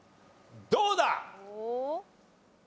どうだ？